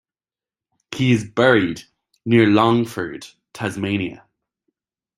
He is buried near Longford, Tasmania.